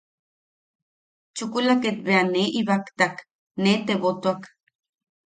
Chukula ket bea nee ibaktak, nee tebotuak.